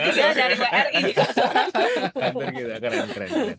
kantor kita karena keren